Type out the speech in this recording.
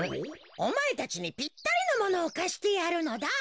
おまえたちにぴったりのものをかしてやるのだ。